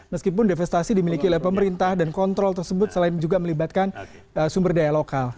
meskipun devestasi dimiliki oleh pemerintah dan kontrol tersebut selain juga melibatkan sumber daya lokal